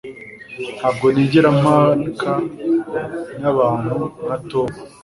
ntabwo nigera mpaka n'abantu nka tom